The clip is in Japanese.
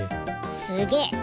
すげえ。